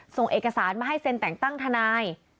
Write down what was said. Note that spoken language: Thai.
ส่งเอกสารมาให้เซ็นแต่งตั้งทนาย